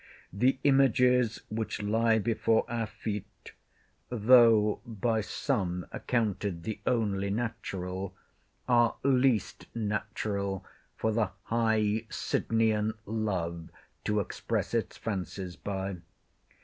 The images which lie before our feet (though by some accounted the only natural) are least natural for the high Sydnean love to express its fancies by.